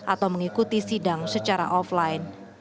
atau mengikuti sidang secara offline